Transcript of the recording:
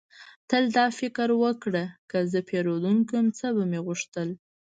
تل دا فکر وکړه: که زه پیرودونکی وم، څه به مې غوښتل؟